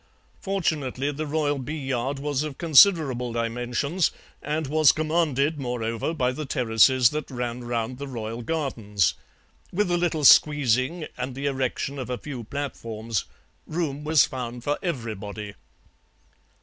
Fortunately the royal bee yard was of considerable dimensions, and was commanded, moreover, by the terraces that ran round the royal gardens; with a little squeezing and the erection of a few platforms room was found for everybody.